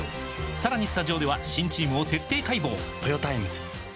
さらにスタジオでは新チームを徹底解剖！